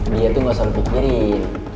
dia tuh gak usah dipikirin